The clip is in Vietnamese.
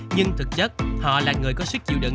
nhưng thực chất họ là người có sức chịu đựng